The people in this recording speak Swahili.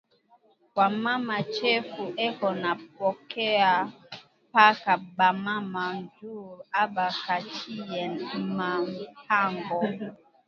Kwa mama chefu eko na pokeya paka ba mama, njuu aba kachiye ma mpango